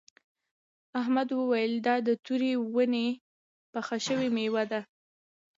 احمد وویل دا د تورې ونې پخه شوې میوه ده.